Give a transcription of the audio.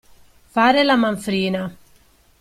Fare la manfrina.